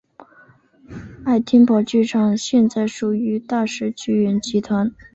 爱丁堡剧场现在属于大使剧院集团。